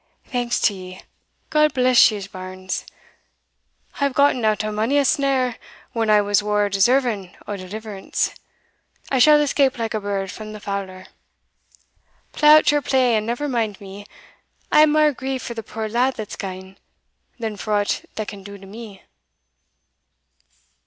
"Thanks to ye! God bless ye a', bairns! I've gotten out o' mony a snare when I was waur deserving o' deliverance I shall escape like a bird from the fowler. Play out your play, and never mind me I am mair grieved for the puir lad that's gane, than for aught they can do to me."